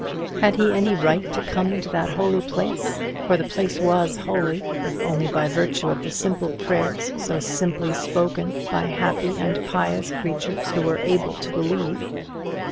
Had he any right to come into that holy place? for the place was holy, if only by virtue of the simple prayers so simply spoken by happy and pious creatures who were able to believe.